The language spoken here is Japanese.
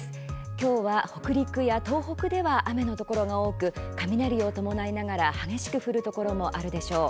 今日は北陸や東北では雨のところが多く雷を伴いながら激しく降るところもあるでしょう。